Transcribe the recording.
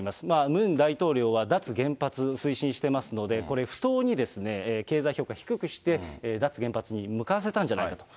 ムン大統領は脱原発推進してますので、これ、不当に経済評価低くして、脱原発に向かわせたんじゃないかと。